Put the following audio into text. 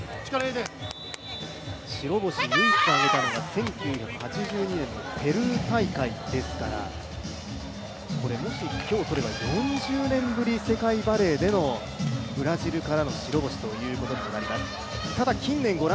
白星を唯一挙げたのが１９８２年のペルー大会ですから、もし今日、取れば４０年ぶり世界バレーでのブラジルからの白星ということになります。